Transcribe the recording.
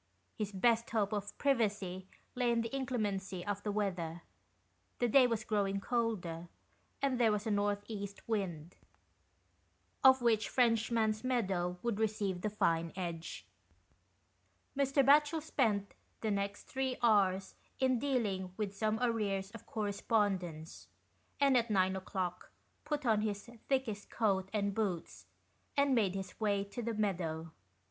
His best hope of privacy lay in the inclemency of the weather ; the day was growing colder, and there was a north east wind, of which Frenchman's Meadow would receive the fine edge. Mr. Batchel spent the next three hours in dealing with some arrears of correspondence, and at nine o'clock put on his thickest coat and boots, and made his way to the meadow.